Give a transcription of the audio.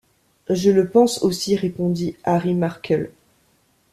Je le pense aussi.... répondit Harry Markel.